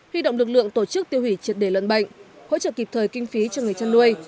huy động lực lượng tổ chức tiêu hủy triệt để lợn bệnh hỗ trợ kịp thời kinh phí cho người chăn nuôi